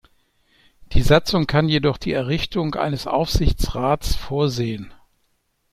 Die Satzung kann jedoch die Errichtung eines Aufsichtsrats vorsehen.